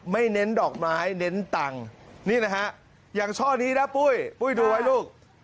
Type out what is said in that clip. เน้นดอกไม้เน้นตังค์นี่นะฮะอย่างช่อนี้นะปุ้ยปุ้ยดูไว้ลูก